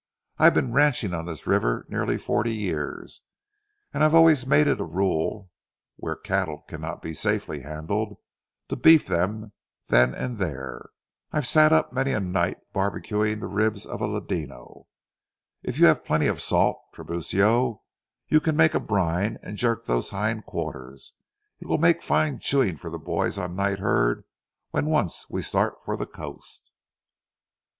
"I've been ranching on this river nearly forty years, and I've always made it a rule, where cattle cannot be safely handled, to beef them then and there. I've sat up many a night barbecuing the ribs of a ladino. If you have plenty of salt, Tiburcio, you can make a brine and jerk those hind quarters. It will make fine chewing for the boys on night herd when once we start for the coast."